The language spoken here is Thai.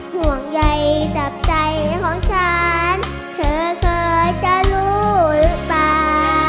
ห่วงใยจากใจของฉันเธอเคยจะรู้หรือเปล่า